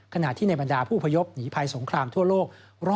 ขณะที่ในบรรดาผู้พยพหนีภัยสงครามทั่วโลก